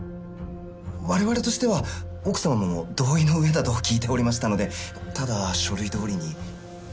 我々としては奥さまも同意の上だとは聞いておりましたのでただ書類通りに。